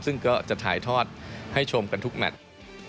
ซึ่งก็จะถ่ายทอดให้ชมกันทุกแมท